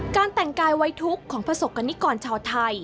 การแต่งกายไว้ทุกข์ของประสบกรณิกรชาวไทย